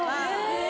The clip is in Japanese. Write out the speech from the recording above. え！